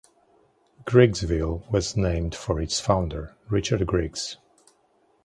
Griggsville was named for its founder, Richard Griggs.